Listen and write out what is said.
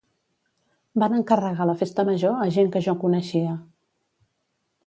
Van encarregar la Festa Major a gent que jo coneixia